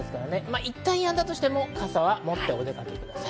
いったんやんだとしても、傘は持ってお出かけください。